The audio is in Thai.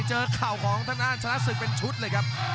เจอข่าวของธนาศึกเป็นชุดเลยครับ